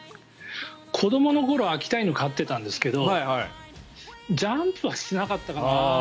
子どもの頃秋田犬、飼ってたんですけどジャンプはしなかったかな。